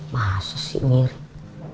masa sih mirip